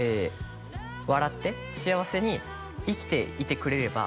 「笑って幸せに生きていてくれれば」